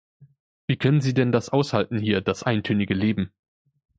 Wie können Sie denn das aushalten hier, das eintönige Leben?